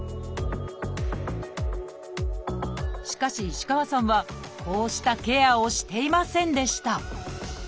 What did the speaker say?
しかし石川さんはこうしたケアをしていませんでした。